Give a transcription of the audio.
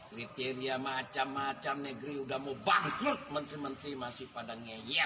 kriteria macam macam negeri udah mau bangkrut menteri menteri masih pada ngeyel